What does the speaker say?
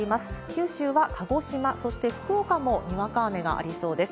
九州は鹿児島、そして福岡もにわか雨がありそうです。